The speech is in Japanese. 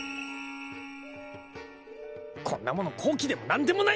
［こんなもの好機でも何でもない！］